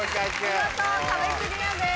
見事壁クリアです。